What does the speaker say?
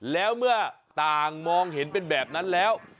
แล้วเมื่อต่างมองเห็นเป็นแบบนั้นแล้ว